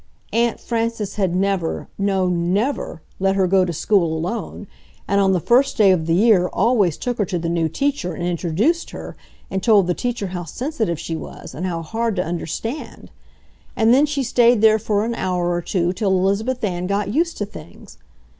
Aunt Frances had never, no NEVER, let her go to school alone, and on the first day of the year always took her to the new teacher and introduced her and told the teacher how sensitive she was and how hard to understand; and then she stayed there for an hour or two till Elizabeth Ann got used to things!